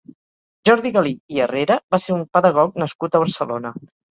Jordi Galí i Herrera va ser un pedagog nascut a Barcelona.